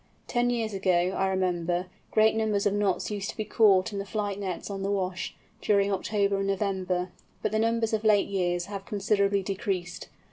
Ten years ago, I remember, great numbers of Knots used to be caught in the flight nets on the Wash, during October and November, but the numbers of late years have considerably decreased.